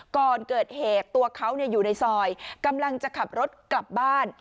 ก่อนเกิดเหตุตัวเขาอยู่ในซอยกำลังจะขับรถกลับบ้าน